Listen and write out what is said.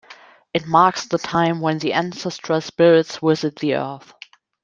It marks the time when the ancestral spirits visit the Earth.